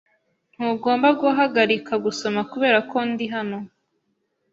Ntugomba guhagarika gusoma kubera ko ndi hano.